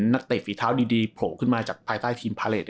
นักเตะฝีเท้าดีโผล่ขึ้นมาจากภายใต้ทีมพาเลส